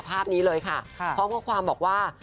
ภาพนี้เลยค่ะพร้อมข้อความบอกว่า